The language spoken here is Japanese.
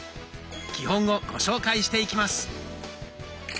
基本をご紹介していきます。